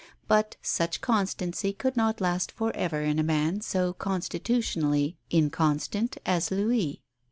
But such constancy could not last for ever in a man so constitutionally inconstant as Louis.